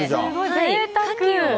ぜいたく。